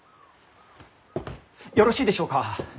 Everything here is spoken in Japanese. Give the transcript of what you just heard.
よろしいでしょうか？